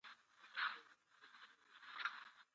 دغه پانګونې مصرفي اجناسو ته تقاضا زیاتوي.